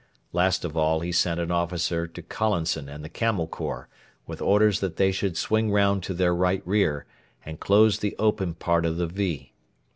Last of all he sent an officer to Collinson and the Camel Corps with orders that they should swing round to their right rear and close the open part of the "V".